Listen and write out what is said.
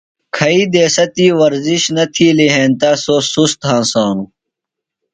کھیئی دیسہ تی ورزش نہ تِھیلی ہینتہ سوۡ سُست ہنسانوۡ۔